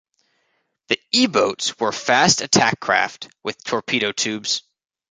The E-boats were fast attack craft with torpedo tubes.